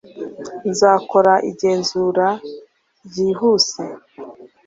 nzakora igenzura ryihuse